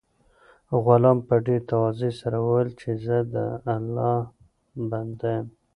غلام په ډېر تواضع سره وویل چې زه د الله بنده یم.